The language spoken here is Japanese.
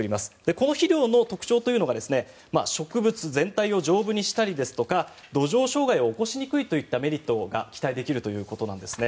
この肥料の特徴というのが植物全体を丈夫にしたりですとか土壌障害を起こしにくいといったメリットが期待できるということなんですね。